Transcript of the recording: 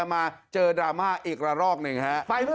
เมื่อวานนี้อีกแค่วันก่อน